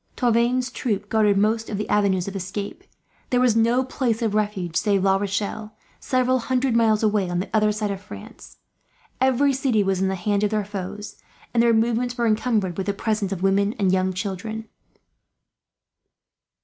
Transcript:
Tavannes' troops guarded most of the avenues of escape. There was no place of refuge save La Rochelle, several hundred miles away, on the other side of France. Every city was in the hands of their foes, and their movements were encumbered with the presence of women and young children.